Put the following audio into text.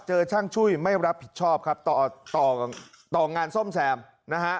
ช่างช่วยไม่รับผิดชอบครับต่อต่องานซ่อมแซมนะฮะ